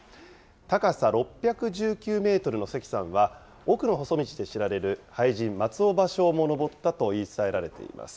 高さ６１９メートルの関山は、奥の細道で知られる俳人、松尾芭蕉も登ったと言い伝えられています。